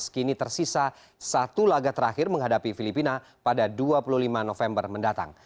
kini tersisa satu laga terakhir menghadapi filipina pada dua puluh lima november mendatang